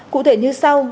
cụ thể như sau